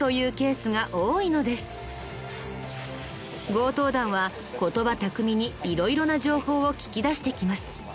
強盗団は言葉巧みに色々な情報を聞き出してきます。